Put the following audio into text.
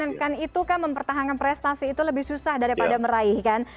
mempertahankan itu kan mempertahankan prestasi itu lebih susah daripada meraihkan